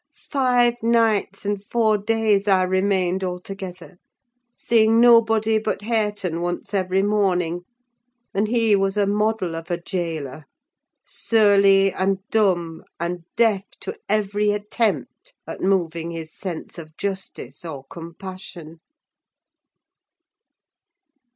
Five nights and four days I remained, altogether, seeing nobody but Hareton once every morning; and he was a model of a jailor: surly, and dumb, and deaf to every attempt at moving his sense of justice or compassion.